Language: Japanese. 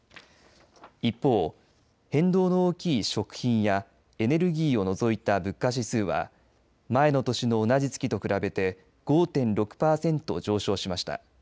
一方、変動の大きい食品やエネルギーを除いた物価指数は前の年の同じ月と比べて５．６パーセント上昇しました。